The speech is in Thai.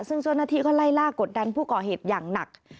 ซึ่งเจ้าหน้าที่ก็ไล่ล่ากดดันผู้ก่อเหตุอย่างหนัก